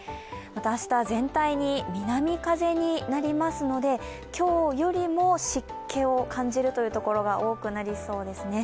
また明日は全体に南風になりますので今日よりも湿気を感じるというところが多くなりそうですね。